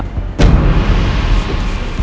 pantiasuhan mutiara bunda